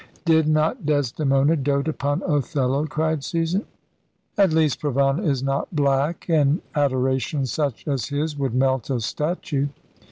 "Did not Desdemona dote upon Othello?" cried Susan. "At least Provana is not black, and adoration such as his would melt a statue.